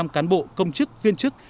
một trăm linh cán bộ công chức viên chức